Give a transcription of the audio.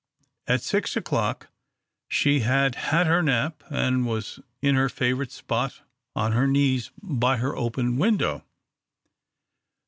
At six o'clock she had had her nap and was in her favourite spot on her knees by her open window.